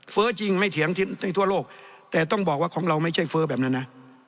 จริงไม่เถียงในทั่วโลกแต่ต้องบอกว่าของเราไม่ใช่เฟ้อแบบนั้นนะ